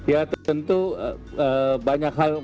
ya tentu banyak hal